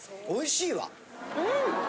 おいしい。